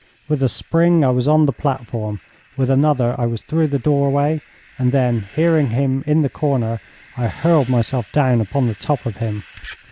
With a spring I was on the platform, with another I was through the doorway, and then, hearing him in the corner, I hurled myself down upon the top of him.